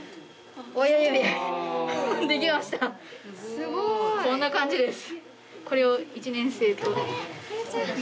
すごい！こんな感じです。